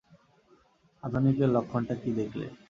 আধুনিকের লক্ষণটা কী দেখলে।